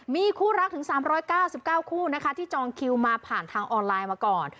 มีคู่รักถึง๓๙๙คู่นะคะที่จองคิวมาผ่านทางออนไลน์มาก่อน